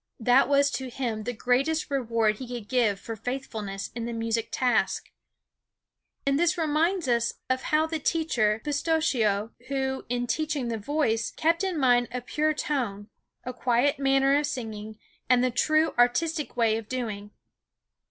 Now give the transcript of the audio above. That was to him the greatest reward he could give for faithfulness in the music task. And this reminds us of how the teacher, Pistocchi, who, in teaching the voice, kept in mind a pure tone, a quiet manner of singing, and the true artistic way of doing.